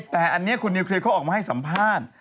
แต่อันนี้คุณนิวเคลียร์เขาออกมาให้สัมภาษณ์